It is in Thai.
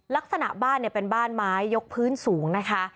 ลักษณะบ้านเนี่ยเป็นบ้านไม้ยกพื้นสูงนะคะ